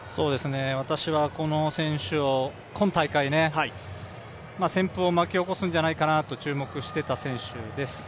私はこの選手を今大会旋風を巻き起こすんじゃないかなと注目していた選手です。